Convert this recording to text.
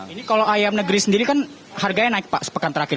ini kalau ayam negeri sendiri kan harganya naik pak sepekan terakhir